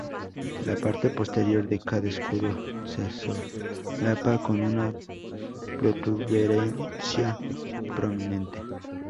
La parte posterior de cada escudo se solapa con una protuberancia prominente.